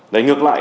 đấy ngược lại